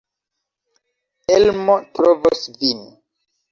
Elmo trovos vin.